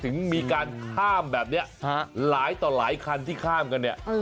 ถึงมีการข้ามแบบนี้หลายต่อหลายคันที่ข้ามกันเนี่ย